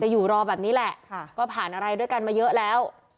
อยู่รอแบบนี้แหละก็ผ่านอะไรด้วยกันมาเยอะแล้ว